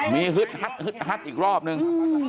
มีฮึดฮัดอีกรอบนึง